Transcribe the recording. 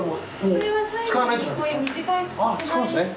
あっ使うんですね。